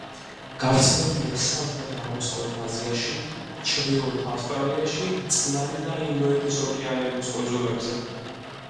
გავრცელებულია სამხრეთ-აღმოსავლეთ აზიაში, ჩრდილოეთ ავსტრალიაში, წყნარი და ინდოეთის ოკეანეების კუნძულებზე.